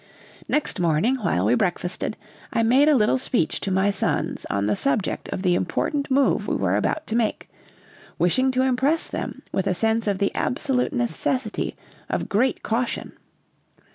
Next morning, while we breakfasted, I made a little speech to my sons on the subject of the important move we were about to make, wishing to impress them with a sense of the absolute necessity of great caution.